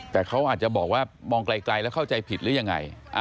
แต่เขาอาจจะบอกว่ามองไกลแล้วเข้าใจผิดหรือยังไง